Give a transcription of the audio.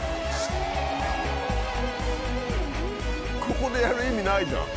ここでやる意味ないじゃん。